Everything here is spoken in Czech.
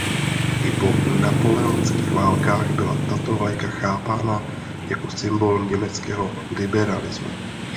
I po napoleonských válkách byla tato vlajka chápána jako symbol německého liberalismu.